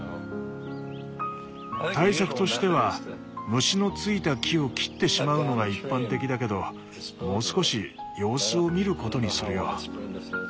対策としては虫のついた木を切ってしまうのが一般的だけどもう少し様子を見ることにするよ。